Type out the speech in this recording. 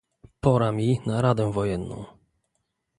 "Pora mi na radę wojenną."